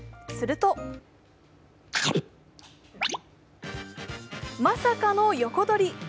するとまさかの横取り。